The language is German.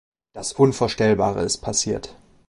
Das Unvorstellbare ist passiert.